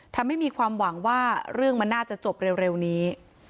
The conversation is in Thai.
ทำให้มีความหวังว่าเรื่องมันน่าจะจบเร็วนี้